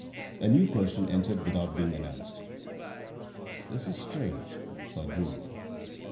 A new person entered without being announced. " This is strange," thought Julien.